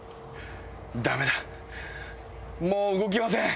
ダメだもう動きません。